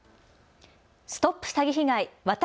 ＳＴＯＰ詐欺被害！